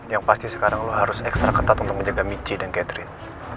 yang pasti sekarang lo harus ekstra ketat untuk menjaga michi dan catherine